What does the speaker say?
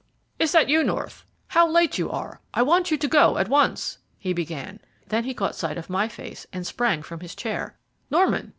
"Is that you, North? How late you are. I want you to go at once," he began. Then he caught sight of my face, and sprang from his chair. "Norman!"